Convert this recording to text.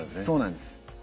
そうなんです。